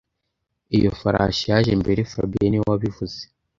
Iyo farashi yaje mbere fabien niwe wabivuze